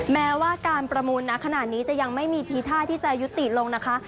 แม้ว่าการประมูลนักขนาดนี้จะยังไม่มีทีท่าที่จะยุติลงนะคะ